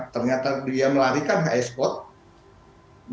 ternyata dia melarikan hs code